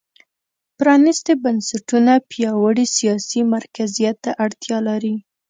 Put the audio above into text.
پرانېستي بنسټونه پیاوړي سیاسي مرکزیت ته اړتیا لري.